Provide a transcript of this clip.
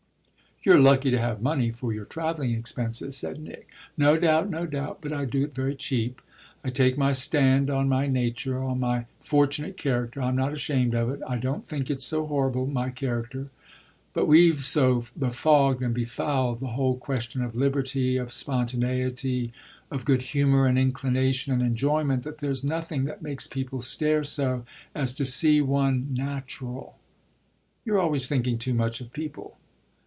"You're lucky to have money for your travelling expenses," said Nick. "No doubt, no doubt; but I do it very cheap. I take my stand on my nature, on my fortunate character. I'm not ashamed of it, I don't think it's so horrible, my character. But we've so befogged and befouled the whole question of liberty, of spontaneity, of good humour and inclination and enjoyment, that there's nothing that makes people stare so as to see one natural." "You're always thinking too much of 'people.'"